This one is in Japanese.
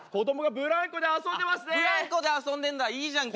ブランコで遊んでんだいいじゃんか。